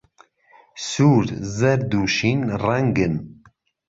سوور، زەرد، و شین ڕەنگن.